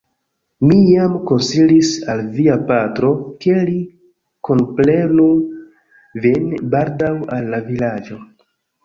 Mi jam konsilis al via patro, ke li kunprenu vin baldaŭ al la Vilaĝo.